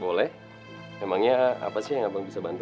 boleh emangnya apa sih yang abang bisa bantu